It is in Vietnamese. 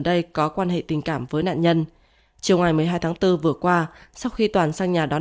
đây có quan hệ tình cảm với nạn nhân chiều ngày một mươi hai tháng bốn vừa qua sau khi toàn sang nhà đón